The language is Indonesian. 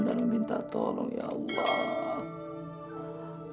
dan meminta tolong ya allah